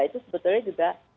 itu sebetulnya juga